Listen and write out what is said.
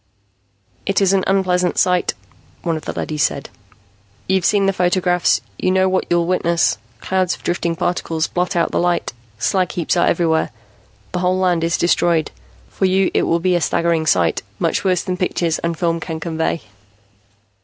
"It is an unpleasant sight," one of the leadys said. "You've seen the photographs; you know what you'll witness. Clouds of drifting particles blot out the light, slag heaps are everywhere, the whole land is destroyed. For you it will be a staggering sight, much worse than pictures and film can convey."